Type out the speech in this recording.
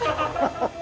ハハハ。